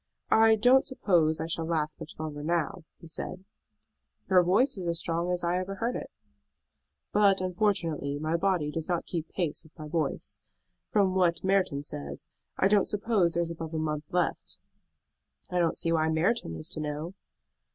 "I don't suppose I shall last much longer now," he said. "Your voice is as strong as I ever heard it." "But unfortunately my body does not keep pace with my voice. From what Merton says, I don't suppose there is above a month left." "I don't see why Merton is to know."